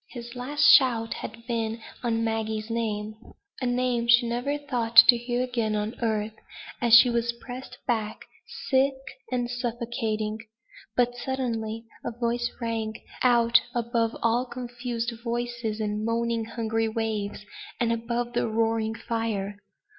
His last shout had been on Maggie's name a name she never thought to hear again on earth, as she was pressed back, sick and suffocating. But suddenly a voice rang out above all confused voices and moaning hungry waves, and above the roaring fire.